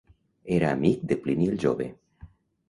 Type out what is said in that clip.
Era amic de Plini el Jove.